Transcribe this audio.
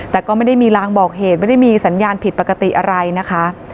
แต่ก็ไม่ได้มีรางบอกเหตุไม่ได้มีสัญญาณผิดปกติอะไรนะคะ